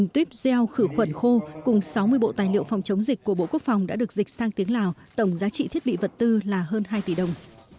một tuyếp gel khử khuẩn khô cùng sáu mươi bộ tài liệu phòng chống dịch của bộ quốc phòng đã được dịch sang tiếng lào tổng giá trị thiết bị vật tư là hơn hai tỷ đồng